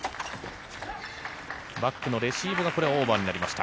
バックのレシーブがオーバーになりました。